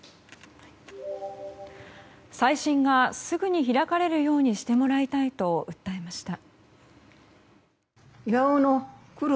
再審がすぐに開かれるようにしてもらいたいと訴えました。